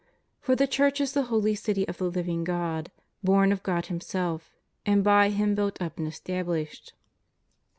For the Church is the holy city of the living God, born of God Himself, and by Him built up and established.